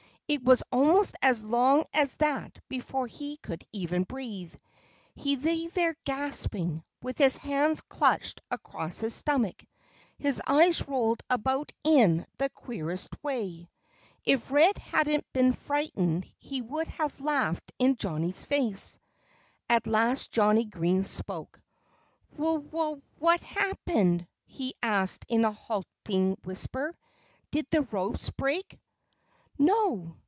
It was almost as long as that before he could even breathe. He lay there gasping, with his hands clutched across his stomach. His eyes rolled about in the queerest way. If Red hadn't been frightened he would have laughed in Johnnie's face. At last Johnnie Green spoke. "Wh wh what happened?" he asked in a halting whisper. "Did the ropes break?" "No!"